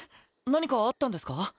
何かあったんですか？